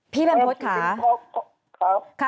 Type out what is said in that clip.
พี่แม่นพลดค่ะ